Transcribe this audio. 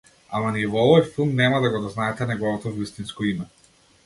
Ама ни во овој филм нема да го дознаете неговото вистинско име.